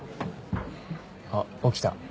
あっ起きた。